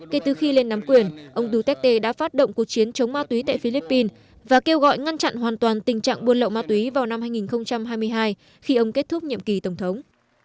kể từ khi lên nắm quyền ông duterte đã phát động cuộc chiến chống ma túy tại philippines và kêu gọi ngăn chặn hoàn toàn tình trạng buôn lậu ma túy vào năm hai nghìn hai mươi hai khi ông kết thúc nhiệm kỳ tổng thống